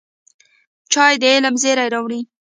چای د علم زېری راوړي